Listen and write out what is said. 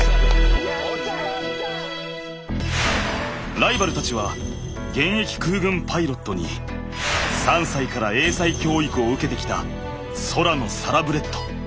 ライバルたちは現役空軍パイロットに３歳から英才教育を受けてきた空のサラブレッド。